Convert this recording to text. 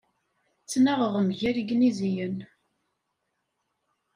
Ttnaɣen mgal Igniziyen.